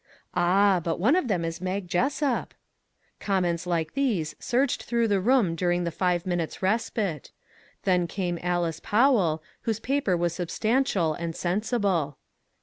" Ah, but one of them is Mag Jessup !" Comments like these surged through the room during the five minutes' respite; then came Alice Powell, whose paper was substan tial and sensible.